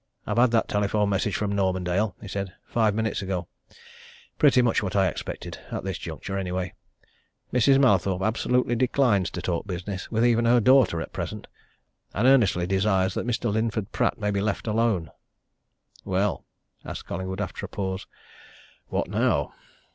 "I've had that telephone message from Normandale," he said, "five minutes ago. Pretty much what I expected at this juncture, anyway. Mrs. Mallathorpe absolutely declines to talk business with even her daughter at present and earnestly desires that Mr. Linford Pratt may be left alone." "Well?" asked Collingwood after a pause. "What now?"